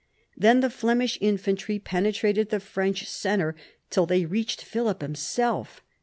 Then the Flemish infantry penetrated the French centre till they reached Philip himself.